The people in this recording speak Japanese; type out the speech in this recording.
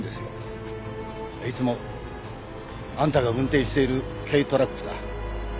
いつもあんたが運転している軽トラックだ。